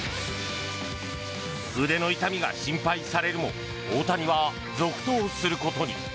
腕の痛みが心配されるも大谷は続投することに。